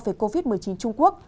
về covid một mươi chín trung quốc